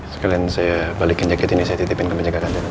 sekalian saya balikin jaket ini saya titipin ke penjaga kantoran